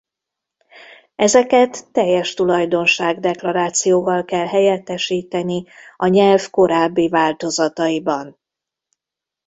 Ezeket teljes tulajdonság-deklarációval kell helyettesíteni a nyelv korábbi változataiban.